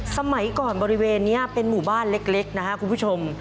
สมัยก่อนบริเวณนี้เป็นหมู่บ้านเล็กนะครับคุณผู้ชม